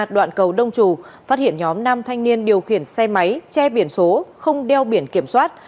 đoạn cầu đông trù phát hiện nhóm nam thanh niên điều khiển xe máy che biển số không đeo biển kiểm soát